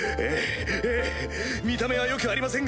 見た目は良くありませんが。